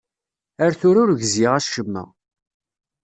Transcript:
Ar tura ur gziɣ acemma.